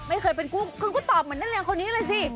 ไม่เคยเป็นกุ้งคุณก็ตอบเหมือนนักเรียนคนนี้เลยสิ